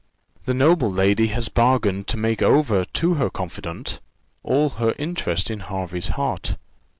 The noble lady has bargained to make over to her confidante all her interest in Hervey's heart.